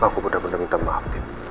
aku bener bener minta maaf